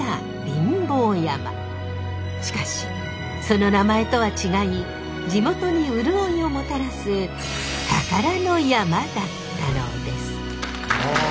しかしその名前とは違い地元に潤いをもたらすだったのです。